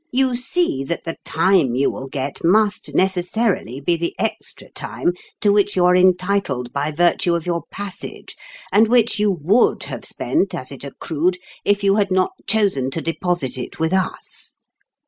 " You see that the time you will get must necessarily be the extra time to which you are entitled by virtue of your passage, and which you would have spent as it accrued if you had not chosen to deposit it with us.